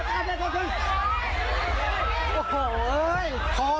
ดึงเด็กออกก่อนล่ะ